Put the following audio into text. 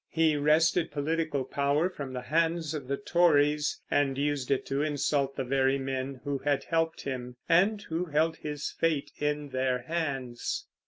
He wrested political power from the hands of the Tories, and used it to insult the very men who had helped him, and who held his fate in their hands.